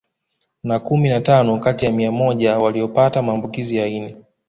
Na kumi na tano kati ya mia moja waliopata maambukizi ya ini